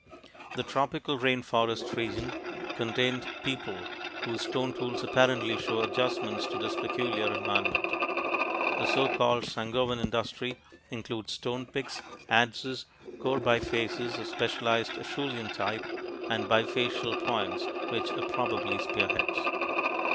The tropical rain forest region contained people whose stone tools apparently show adjustment to this peculiar environment; the so called Sangoan industry includes stone picks, adzes, core bifaces of specialized Acheulean type, and bifacial points which were probably spearheads.